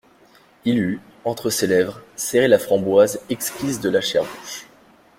Il eût, entre ses lèvres, serré la framboise exquise de la chère bouche.